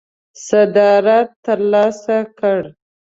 صدارت ترلاسه کړ.